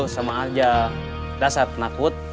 sama aja dasar penakut